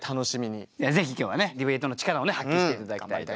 ぜひ今日はねディベートの力を発揮して頂きたいと思います。